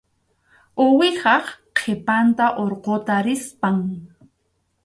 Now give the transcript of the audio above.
Uwihap qhipanta urquta rispam.